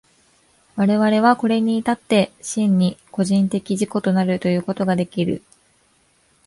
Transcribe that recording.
我々はこれに至って真に個人的自己となるということができる。